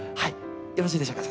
よろしいでしょうか？